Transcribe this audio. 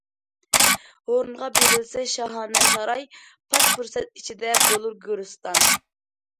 ھۇرۇنغا بېرىلسە شاھانە ساراي، پات پۇرسەت ئىچىدە بولۇر گۆرىستان.